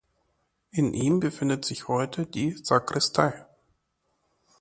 In ihm befindet sich heute die Sakristei.